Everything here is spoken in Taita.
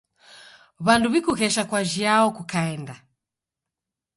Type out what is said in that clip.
W'andu w'ikughesha kwa jiao kukaenda?